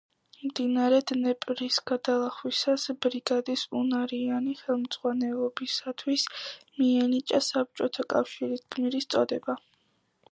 მდინარე დნეპრის გადალახვისას ბრიგადის უნარიანი ხელმძღვანელობისათვის მიენიჭა საბჭოთა კავშირის გმირის წოდება.